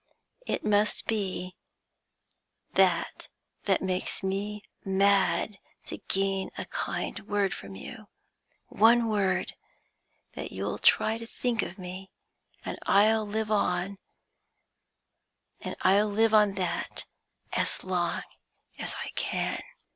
It must be that that makes me mad to gain a kind word from you. One word that you'll try to think of me; and I'll live on that as long as I can.'